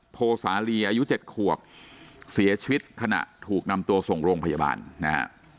โพสาลีอายุ๗ขวบเสียชีวิตขณะถูกนำตัวส่งโรงพยาบาลนะฮะ